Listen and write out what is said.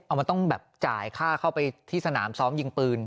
เอามันต้องแบบจ่ายค่าเข้าไปที่สนามซ้อมยิงปืน